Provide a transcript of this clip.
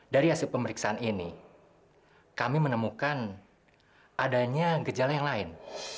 dari hasil pemeriksaan ini kami menemukan adanya gejala yang lain